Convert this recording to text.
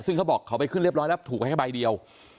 ซึ่งเขาบอกเขาไปขึ้นเรียบร้อยแล้วถูกไว้แค่ใบเดียว